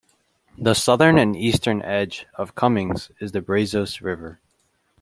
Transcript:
The southern and eastern edge of Cumings is the Brazos River.